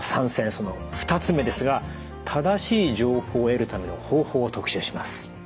その２つ目ですが正しい情報を得るための方法を特集します。